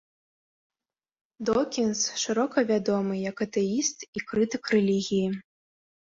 Докінз шырока вядомы як атэіст і крытык рэлігіі.